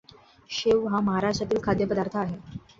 शेव हा महाराष्ट्रातील खाद्यपदार्थ आहे.